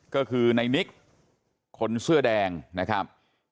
ก็คือในนิกคนเสื้อแดงนะครับ